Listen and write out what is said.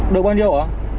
được bao nhiêu hả